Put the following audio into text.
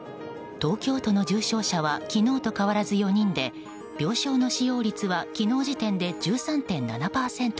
東京都の重症者は昨日と変わらず４人で病床の使用率は昨日時点で１３．７％です。